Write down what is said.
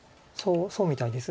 そうみたいです。